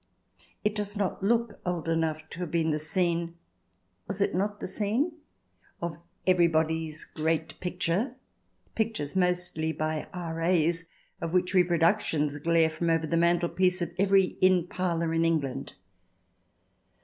It does not look old enough to have been the scene (was it not the scene ?) of Everybody's Great Picture ? pictures, mostly by R.A.'s, of which reproductions glare from over the mantelpiece of every inn parlour in England.